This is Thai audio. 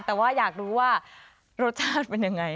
แต่ว่าอยากรู้ว่ารสชาติเป็นยังไง